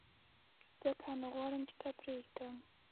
ځکه نو غواړم چي تا پرېږدم !